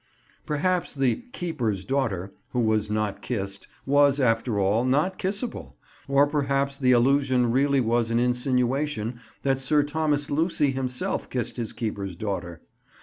Perhaps the "keeper's daughter" who was not kissed, was, after all, not kissable, or perhaps the allusion really was an insinuation that Sir Thomas Lucy himself kissed his keeper's daughter.